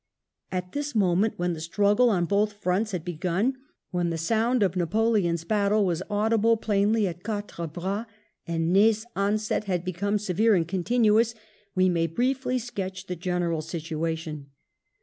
At this moment, when the struggle on both fronts had begun, when the sound of Napoleon's battle was audible plainly at Quatre Bras, and Ney's onset had become severe and continuous, we may briefly sketch the general situation.